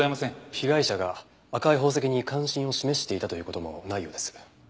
被害者が赤い宝石に関心を示していたという事もないようです。